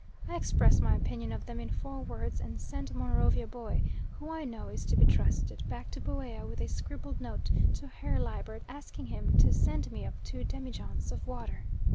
I express my opinion of them in four words and send Monrovia Boy, who I know is to be trusted, back to Buea with a scribbled note to Herr Liebert asking him to send me up two demijohns of water.